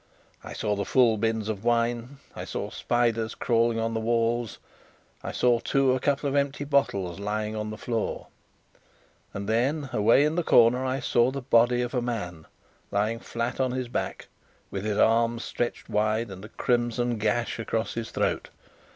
I saw the full bins of wine; I saw spiders crawling on the walls; I saw, too, a couple of empty bottles lying on the floor; and then, away in the corner, I saw the body of a man, lying flat on his back, with his arms stretched wide, and a crimson gash across his throat.